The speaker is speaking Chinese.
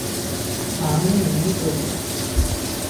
唐明宗